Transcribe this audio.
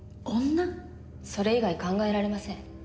それ以外考えられません。